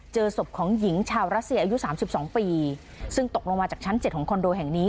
เจอศพของหญิงชาวรัสเซียอายุสามสิบสองปีซึ่งตกลงมาจากชั้น๗ของคอนโดแห่งนี้